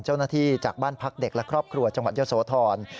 จากบ้านพักเด็กและครอบครัวจังหวัดเยอะโสธร